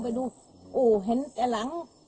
เหลืองเท้าอย่างนั้น